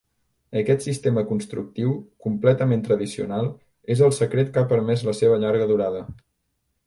Aquest sistema constructiu, completament tradicional, és el secret que ha permès la seva llarga durada.